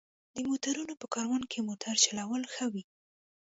د موټرونو په کاروان کې موټر چلول ښه وي.